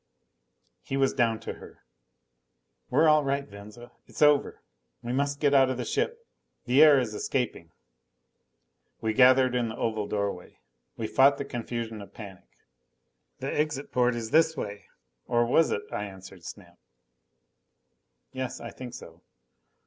He was down to her. "We're all right, Venza. It's over. We must get out of the ship. The air is escaping." We gathered in the oval doorway. We fought the confusion of panic. "The exit port is this way." Or was it? I answered Snap, "Yes, I think so."